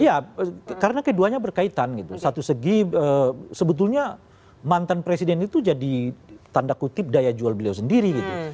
iya karena keduanya berkaitan gitu satu segi sebetulnya mantan presiden itu jadi tanda kutip daya jual beliau sendiri gitu